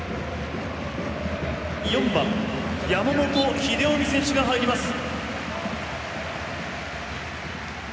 「４番山本英臣選手が入ります」。